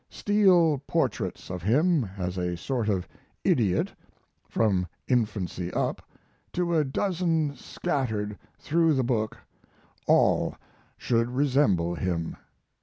Steel portraits of him as a sort of idiot, from infancy up to a dozen scattered through the book all should resemble him.